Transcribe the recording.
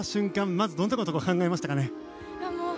まずどんなことを考えましたか。